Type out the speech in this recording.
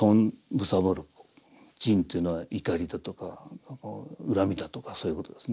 むさぼる「瞋」というのは怒りだとか恨みだとかそういうことですね。